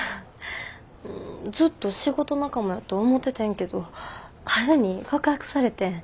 ずっと仕事仲間やと思っててんけど春に告白されてん。